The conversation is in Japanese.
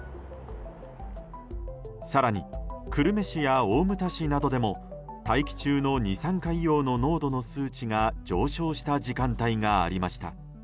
更に久留米市や大牟田市などでも大気中の二酸化硫黄の濃度の数値が上昇する時間帯がありました。